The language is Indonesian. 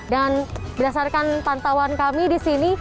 dan berdasarkan pantauan kami di sini